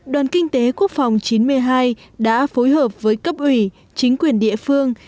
đoàn kinh tế quốc phòng chín mươi hai đã phối hợp với cấp ủy chính quyền địa phương